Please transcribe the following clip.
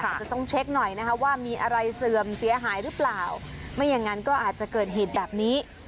อาจจะต้องเช็คหน่อยนะคะว่ามีอะไรเสื่อมเสียหายหรือเปล่าไม่อย่างนั้นก็อาจจะเกิดเหตุแบบนี้